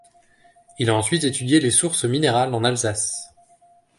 Il a ensuite étudié les sources minérales en Alsace.